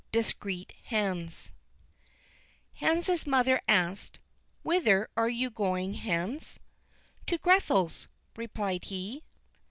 Discreet Hans Hans' mother asked: "Whither are you going, Hans?" "To Grethel's," replied he.